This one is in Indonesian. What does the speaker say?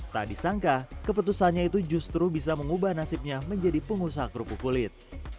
tak disangka keputusannya itu justru bisa mengubah nasibnya menjadi pengusaha kerupuk kulit